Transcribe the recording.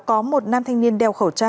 có một nam thanh niên đeo khẩu trang